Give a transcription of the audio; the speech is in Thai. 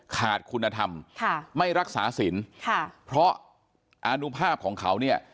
ขาดคุณธรรมค่ะไม่รักษาสินค่ะเพราะอานุภาพของเขาเนี่ย